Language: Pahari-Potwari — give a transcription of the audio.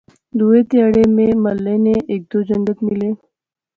دوہے تہاڑے میں محلے نے ہیک دو جنگت ملے